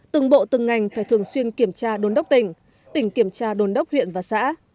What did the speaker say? từng bộ từng ngành phải thường xuyên kiểm tra đôn đốc tỉnh tỉnh kiểm tra đồn đốc huyện và xã